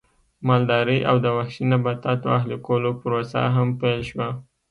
مالدارۍ او د وحشي نباتاتو اهلي کولو پروسه هم پیل شوه